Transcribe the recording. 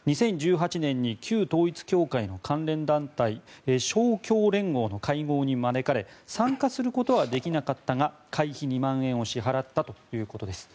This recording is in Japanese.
２０１８年に旧統一教会の関連団体勝共連合の会合に招かれ参加することはできなかったが会費２万円を支払ったということです。